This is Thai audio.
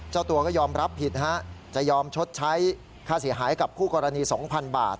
เจ้าตัวก็ยอมรับผิดจะยอมชดใช้ค่าเสียหายกับคู่กรณี๒๐๐๐บาท